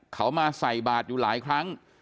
เขามาใส่บาทอยู่หลายครั้ง